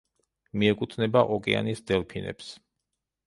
მიეკუთვნება ოკეანის დელფინებს.